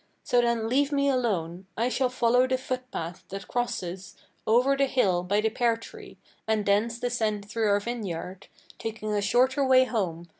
So then leave me alone! I shall follow the footpath that crosses Over the hill by the pear tree, and thence descends through our vineyard, Taking a shorter way home.